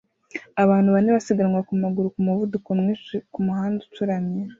Abantu bane basiganwa ku maguru ku muvuduko mwinshi ku muhanda ucuramye